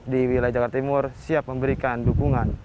di wilayah jakarta timur siap memberikan dukungan